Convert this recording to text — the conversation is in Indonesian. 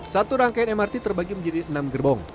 satu rangkaian mrt terbagi menjadi enam gerbong